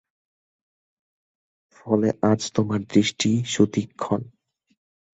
ফলে আজ তোমার দৃষ্টি সুতীক্ষ্ন।